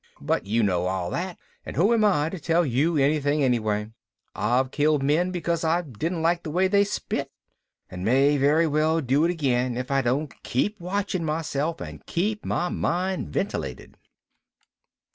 But you know all that and who am I to tell you anything, anyway? I've killed men because I didn't like the way they spit. And may very well do it again if I don't keep watching myself and my mind ventilated."